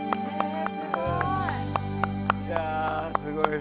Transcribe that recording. すごい！